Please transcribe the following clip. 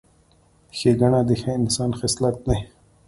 ښېګڼه د ښه انسان خصلت دی.